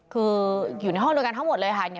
คืออยู่ในห้องด้วยกันทั้งหมดเลยค่ะ